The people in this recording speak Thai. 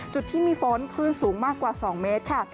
จุดที่มีฝนคลื่นสูงมากกว่า๒เมตรค่ะ